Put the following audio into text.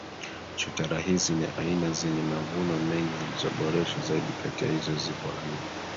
Chotara hizi ni aina zenye mavuno mengi zilizoboreshwa zaidi kati ya hizo zipo aina